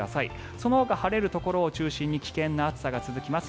そのほか、晴れるところを中心に危険な暑さが続きます。